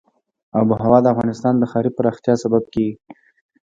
آب وهوا د افغانستان د ښاري پراختیا سبب کېږي.